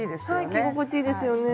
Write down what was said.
はい着心地いいですよね。